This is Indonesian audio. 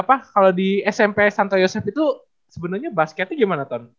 apa kalau di smp santo yosef itu sebenarnya basketnya gimana ton